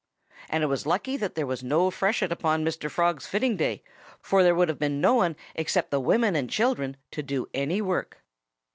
And it was lucky there was no freshet upon Mr. Frog's fitting day, for there would have been no one except the women and children to do any work.